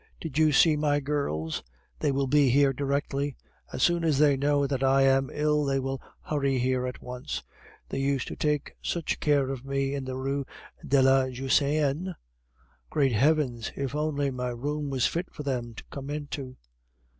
Did you see my girls? They will be here directly; as soon as they know that I am ill they will hurry here at once; they used to take such care of me in the Rue de la Jussienne! Great Heavens! if only my room was fit for them to come into!